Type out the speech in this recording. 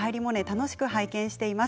楽しく拝見しています。